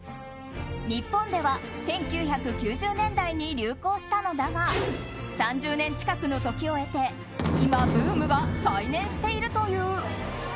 日本では１９９０年代に流行したのだが３０年近くの時を経て今、ブームが再燃しているという。